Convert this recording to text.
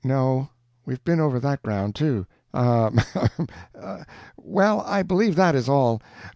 no, we've been over that ground, too. Um ... um ... well, I believe that is all.